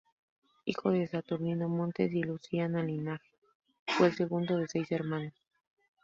Hijo de Saturnino Montes y Luciana Linaje, fue el segundo de seis hermanos.